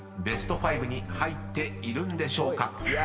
ベスト５に入っているんでしょうか？］